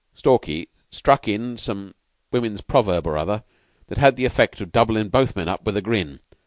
Stalky struck in with some woman's proverb or other, that had the effect of doublin' both men up with a grin.